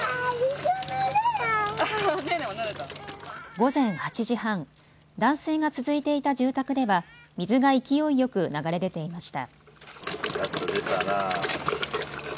午前８時半、断水が続いていた住宅では水が勢いよく流れ出ていました。